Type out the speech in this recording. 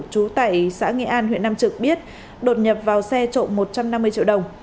trú tại xã nghị an huyện nam trực biết đột nhập vào xe trộm một trăm năm mươi triệu đồng